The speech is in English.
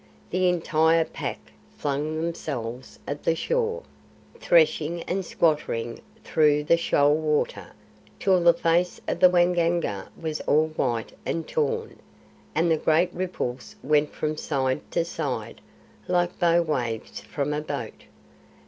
The entire Pack flung themselves at the shore, threshing and squattering through the shoal water, till the face of the Waingunga was all white and torn, and the great ripples went from side to side, like bow waves from a boat.